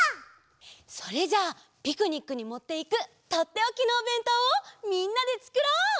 それじゃあピクニックにもっていくとっておきのおべんとうをみんなでつくろう！